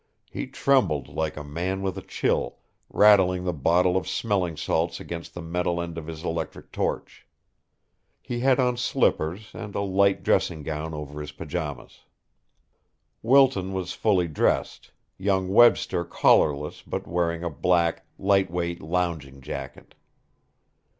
He trembled like a man with a chill, rattling the bottle of smelling salts against the metal end of his electric torch. He had on slippers and a light dressing gown over his pajamas. Wilton was fully dressed, young Webster collarless but wearing a black, light weight lounging jacket.